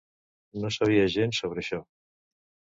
No sabia gens sobre això.